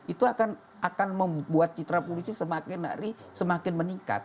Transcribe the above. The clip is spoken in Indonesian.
itu akan membuat citra polisi semakin meningkat